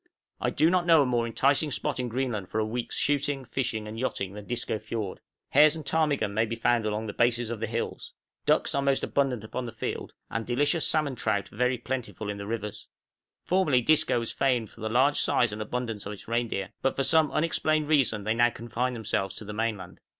I do not know a more enticing spot in Greenland for a week's shooting, fishing, and yachting than Disco Fiord; hares and ptarmigan may be found along the bases of the hills; ducks are most abundant upon the fiord, and delicious salmon trout very plentiful in the rivers. Formerly Disco was famed for the large size and abundance of its reindeer; but for some unexplained reason they now confine themselves to the mainland.